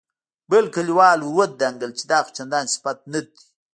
بل کليوال ور ودانګل چې دا خو چندان صفت نه دی.